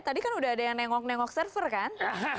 tadi kan sudah ada yang menengok nengok server kan